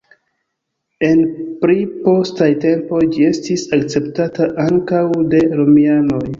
En pli postaj tempoj ĝi estis akceptata ankaŭ de romianoj.